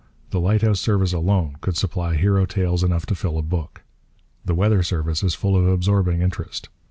The lighthouse service alone could supply hero tales enough to fill a book. The weather service is full of absorbing interest.